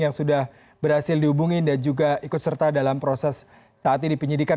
yang sudah berhasil dihubungin dan juga ikut serta dalam proses saat ini penyidikan